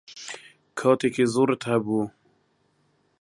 کاتێکی زۆرت هەبوو.